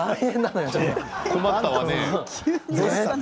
困ったわね。